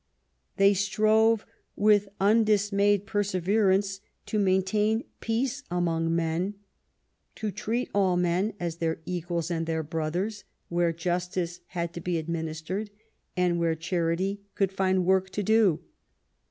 They strove with undismayed perseverance to main tain peace among men, to treat all men as their equals and their brothers where justice had to be adminis tered and where charity could find work to do.